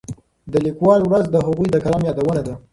د لیکوالو ورځ د هغوی د قلم یادونه ده.